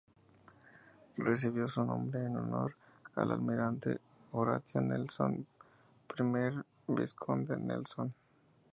Recibió su nombre en honor al Almirante Horatio Nelson, primer vizconde Nelson.